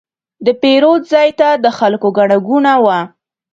د پیرود ځای ته د خلکو ګڼه ګوڼه وه.